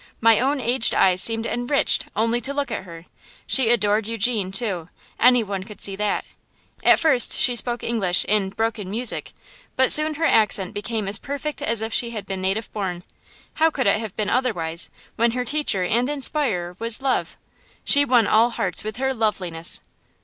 My own aged eyes seemed 'enriched' only to look at her! She adored Eugene, too; any one could see that. At first she spoke English in 'broken music,' but soon her accent became as perfect as if she had been native born. How could it have been otherwise, when her teacher and inspirer was love? She won all hearts with her loveliness!